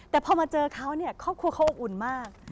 แต่พอมาเจอเขาเนี่ยครอบครัวเขาอบอุ่นมาก